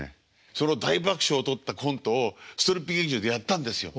その大爆笑を取ったコントをストリップ劇場でやったんですよ。